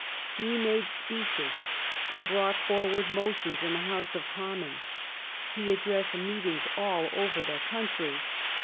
He made speeches and brought for ward motions in the House of Commons. He addressed meetings all over the country.